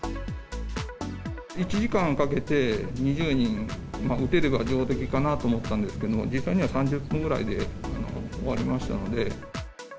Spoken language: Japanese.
１時間かけて２０人が打てれば上出来かなと思ったんですけれども、実際には３０分ぐらいで終わりましたので。